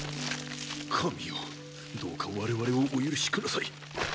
神よどうか我々をお許し下さい！